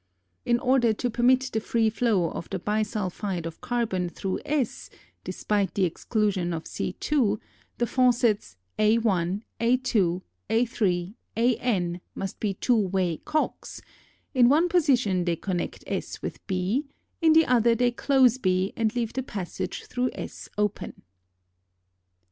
In order to permit the free flow of the bisulphide of carbon through S despite the exclusion of C^2, the faucets _a_^1_a_^2_a_^3_a_^n must be two way cocks; in one position they connect S with b; in the other they close b and leave the passage through S open. [Illustration: FIG. 24.